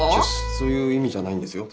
そういう意味じゃないんですよ